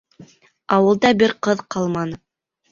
Ауылда бер ҡыҙ ҡалманы.